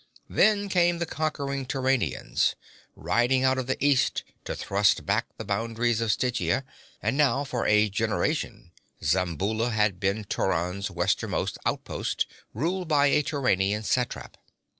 Then came the conquering Turanians, riding out of the East to thrust back the boundaries of Stygia, and now for a generation Zamboula had been Turan's westernmost outpost, ruled by a Turanian satrap.